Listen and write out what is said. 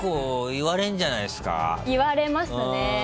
言われますね。